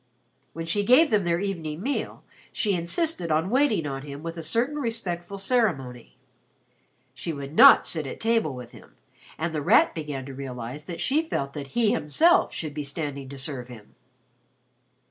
When she gave them their evening meal, she insisted on waiting on him with a certain respectful ceremony. She would not sit at table with him, and The Rat began to realize that she felt that he himself should be standing to serve him.